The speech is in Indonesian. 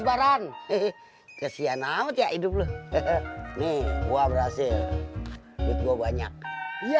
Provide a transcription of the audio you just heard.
barang ke siang nangis ya hidup lu nih gua berhasil itu banyak ya apa sekali ya lu gue kesal